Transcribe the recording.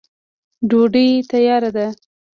ډوډۍ تیاره ده.